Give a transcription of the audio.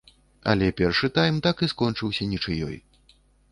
Але першы тайм так і скончыўся нічыёй.